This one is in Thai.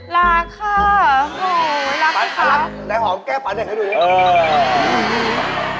รักค่าโอ้โฮรักจ้ะครับ